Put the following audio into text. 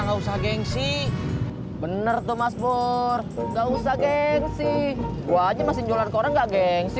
enggak usah gengsi bener tuh mas pur enggak usah gengsi gua aja masih jualan korang enggak gengsi